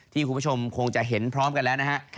คุณผู้ชมคงจะเห็นพร้อมกันแล้วนะฮะ